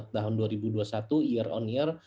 tahun dua ribu dua puluh satu year on year